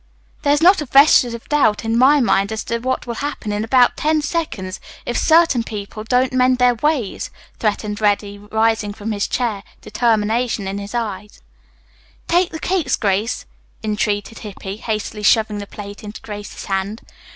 "There is not a vestige of doubt in my mind as to what will happen in about ten seconds if certain people don't mend their ways," threatened Reddy, rising from his chair, determination in his eye. "Take the cakes, Grace," entreated Hippy, hastily shoving the plate into Grace's hand.